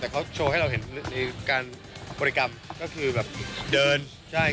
แต่เขาโชว์ให้เราเห็นในการบริกรรมก็คือแบบเดินใช่